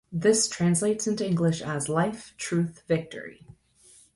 This translates into English as, "Life, Truth, Victory".